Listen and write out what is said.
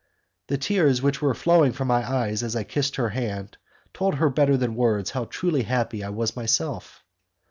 The tears which were flowing from my eyes, as I kissed her hand, told her better than words how truly happy I was myself.